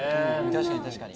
確かに確かに。